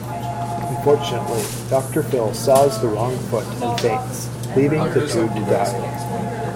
Unfortunately, Doctor Phil saws the wrong foot and faints, leaving the two to die.